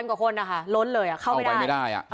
๗๐๐๐กว่าคนอ่ะค่ะล้นเลยอ่ะเข้าไปไม่ได้อ่ะ